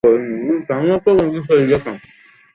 আমি শুধু আপনাদের বলবো, গা এলিয়ে দিয়ে আরাম করুন।